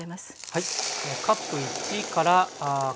はい。